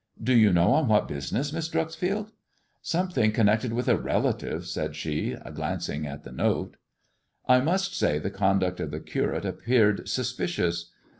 "Do you know on what business, Miss Dreuxfield ]"*' Something connected with a relative," said she, glanc ing at the note. I must say the conduct of the Curate appeared suspicious.